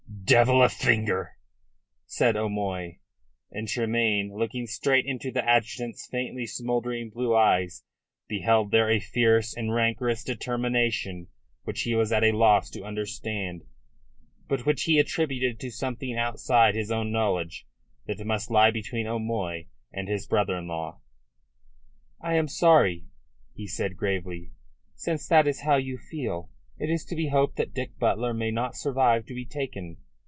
"Devil a finger," said O'Moy. And Tremayne, looking straight into the adjutant's faintly smouldering blue eyes, beheld there a fierce and rancorous determination which he was at a loss to understand, but which he attributed to something outside his own knowledge that must lie between O'Moy and his brother in law. "I am sorry," he said gravely. "Since that is how you feel, it is to be hoped that Dick Butler may not survive to be taken.